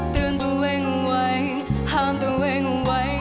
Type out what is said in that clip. เตือนตัวเองไว้ห้ามตัวเองไว้